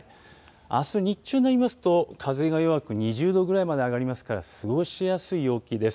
あす日中になりますと、風が弱く、２０度ぐらいまで上がりますから過ごしやすい陽気です。